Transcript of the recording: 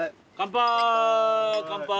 乾杯